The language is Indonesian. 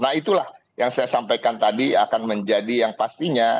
nah itulah yang saya sampaikan tadi akan menjadi yang pastinya